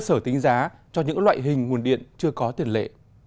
về cơ chế về cơ sở tính giá cho những loại hình nguồn điện chưa có tiền lệ